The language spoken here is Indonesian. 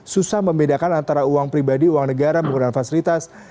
susah membedakan antara uang pribadi uang negara menggunakan fasilitas